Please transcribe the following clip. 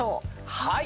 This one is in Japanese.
はい。